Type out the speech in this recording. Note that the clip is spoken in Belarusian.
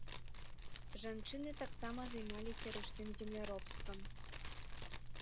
Жанчыны таксама займаліся ручным земляробствам.